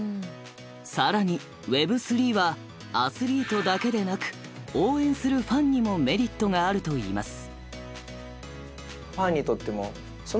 更にＷｅｂ３はアスリートだけでなく応援するファンにもメリットがあるといいます。